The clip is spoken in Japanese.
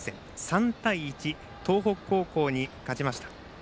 ３対１、東北高校に勝ちました。